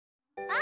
あ。